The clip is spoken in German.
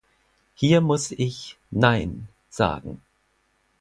Hier muss ich "Nein" sagen.